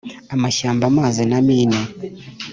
Amashyamba Amazi na Mine